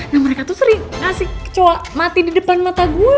nah mereka tuh sering ngasih mati di depan mata gue